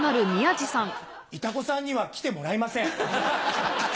イタコさんには来てもらいません。